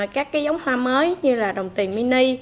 các cái giống hoa mới như là đồng tiền mini